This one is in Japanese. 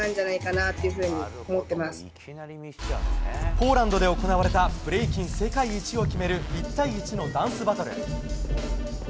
ポーランドで行われたブレイキン世界一を決める１対１のダンスバトル。